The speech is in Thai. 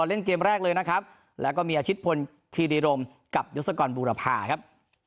เล่นเกมแรกเลยนะครับแล้วก็มีอาชิตพลคีรีรมกับยศกรบูรพาครับ